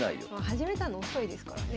始めたの遅いですからね。